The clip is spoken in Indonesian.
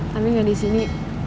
tapi nggak di sini